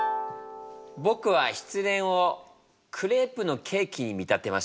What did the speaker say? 僕は失恋をクレープのケーキに見立てました。